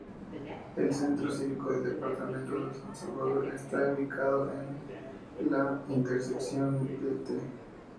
El Centro Cívico del Departamento San Salvador está ubicado en la intersección de Tte.